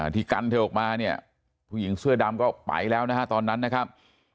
ที่กันเธอออกมาเนี่ยผู้หญิงเสื้อดำก็ไปแล้วนะฮะตอนนั้นนะครับ